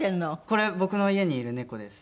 これ僕の家にいる猫です。